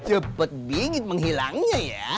cepet bingit menghilangnya ya